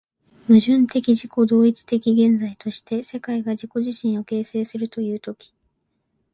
矛盾的自己同一的現在として、世界が自己自身を形成するという時、